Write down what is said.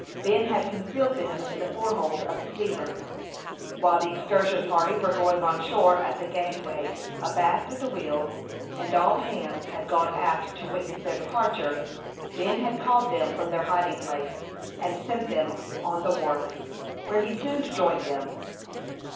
Ben had concealed them in the fore hold of the steamer. While the excursion party were going on shore at the gangway abaft the wheels, and all hands had gone aft to witness their departure, Ben had called them from their hiding place, and sent them on the wharf, where he soon joined them.